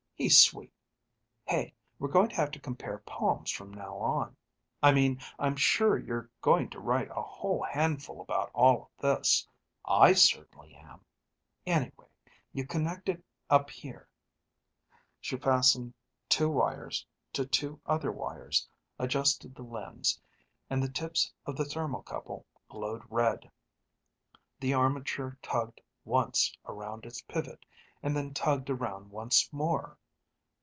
He's sweet. Hey, we're going to have to compare poems from now on. I mean I'm sure you're going to write a whole handful about all of this. I certainly am. Anyway, you connect it up here." She fastened two wires to two other wires, adjusted the lens, and the tips of the thermocouple glowed red. The armature tugged once around its pivot, and then tugged around once more.